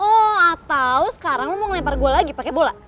oh atau sekarang lo mau ngelempar gua lagi pake bola